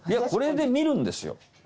これで見るんですよ。